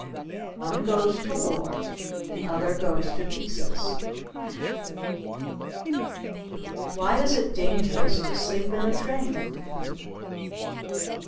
One goes to war, the other goes to pieces. Why is it dangerous to sleep in a train?